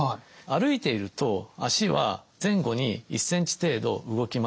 歩いていると足は前後に１センチ程度動きます。